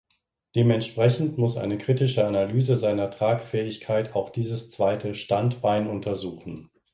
Dementsprechend muss eine kritische Analyse seiner Tragfähigkeit auch dieses zweite 'Standbein’ untersuchen.